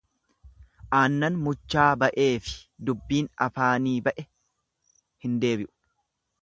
Aannan muchaa ba'eefi dubbiin afaani ba'e hin deebi'u.